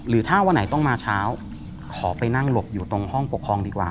ถ้าวันไหนต้องมาเช้าขอไปนั่งหลบอยู่ตรงห้องปกครองดีกว่า